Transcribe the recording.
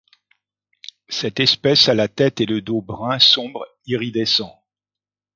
Cette espèce a la tête et le dos brun sombre iridescent.